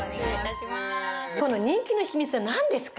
この人気の秘密はなんですか？